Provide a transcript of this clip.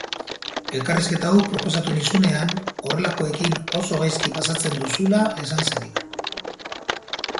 Elkarrizketa hau proposatu nizunean horrelakoekin oso gaizki pasatzen duzula esan zenidan.